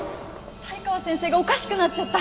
才川先生がおかしくなっちゃった！